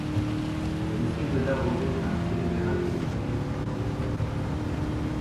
Le lycée Godart-Roger est un lycée général, technologique et professionnel.